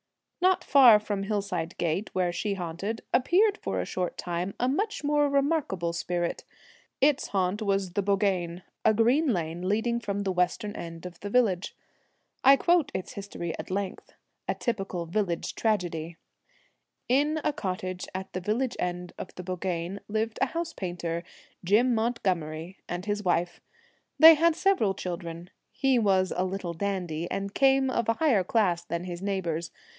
Not far from Hillside Gate, where she haunted, appeared for a short time a much more remarkable spirit. Its haunt was the bogeen, a green lane leading from the western end of the village. I quote its history at length : a typical village tragedy. In a cottage at the village end of the bogeen lived a house painter, Jim Mont gomery, and his wife. They had several children. He was a little dandy, and came of a higher class than his neighbours.